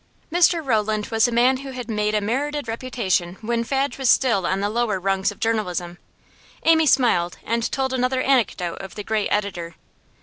Mr Rowland was a man who had made a merited reputation when Fadge was still on the lower rungs of journalism. Amy smiled and told another anecdote of the great editor.